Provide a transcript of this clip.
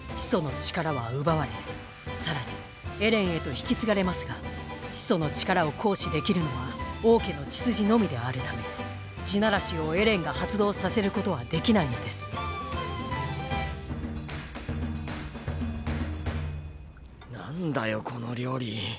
引き継がれますが始祖の力を行使できるのは王家の血筋のみであるため「地鳴らし」をエレンが発動させることはできないのです何だよこの料理。